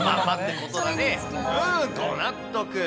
うーん、ご納得。